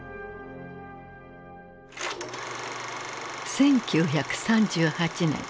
１９３８年。